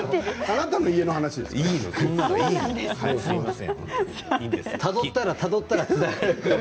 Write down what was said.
あなたの家の話ですから。